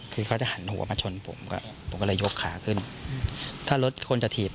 เพื่อหันหัวมาชนผมก็เชื่อการเคลียร์